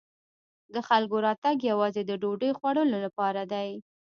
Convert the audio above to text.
د خلکو راتګ یوازې د ډوډۍ خوړلو لپاره دی.